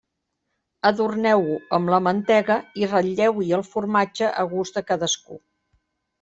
Adorneu-ho amb la mantega i ratlleu-hi el formatge a gust de cadascú.